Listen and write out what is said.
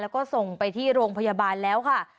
แล้วก็ส่งไปที่โรงพยาบาลแล้วค่ะ